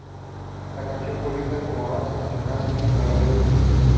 La canción fue vista como su avance nacional en Noruega.